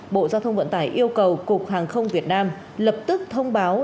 bộ giao thông vận tải yêu cầu cục hàng không việt nam lập tức thông báo